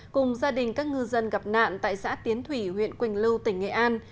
cùng gia đình các ngư dân gặp nạn tại xã tiến thủy huyện quỳnh lưu tỉnh nghệ an